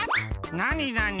なになに？